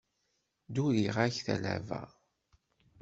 Dduriɣ-ak talaba.